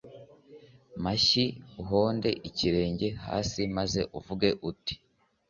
mashyi uhonde ikirenge hasi maze uvuge uti